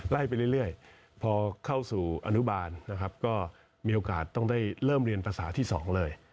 ไล่ไปเรื่อยพอเข้าสู่อนุบาลนะครับก็มีโอกาสต้องได้เริ่มเรียนภาษาที่๒เลย